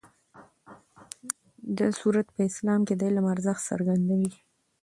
دا سورت په اسلام کې د علم ارزښت څرګندوي.